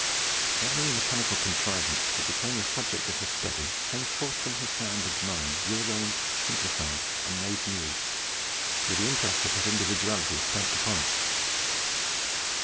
Every mechanical contrivance that became the subject of his study came forth from his hand and mind rearranged, simplified, and made new, with the impress of his individuality stamped upon it.